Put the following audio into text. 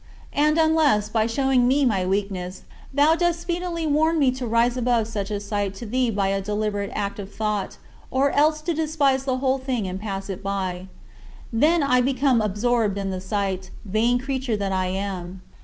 And unless, by showing me my weakness, thou dost speedily warn me to rise above such a sight to thee by a deliberate act of thought or else to despise the whole thing and pass it by then I become absorbed in the sight, vain creature that I am.